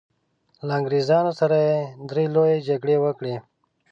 له انګریزانو سره یې درې لويې جګړې وکړې.